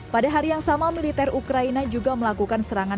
pada hari yang sama militer ukraina juga melakukan serangan